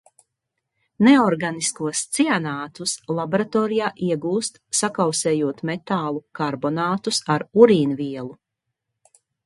Neorganiskos cianātus laboratorijā iegūst, sakausējot metālu karbonātus ar urīnvielu.